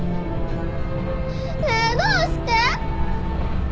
ねえどうして？